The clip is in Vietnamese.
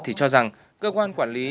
thì cho rằng cơ quan quản lý